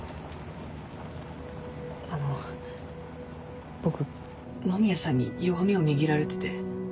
あの僕間宮さんに弱みを握られてて。